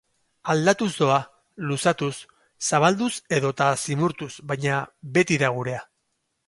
Aldatuz doa, luzatuz, zabalduz edota zimurtuz, baina beti da gurea.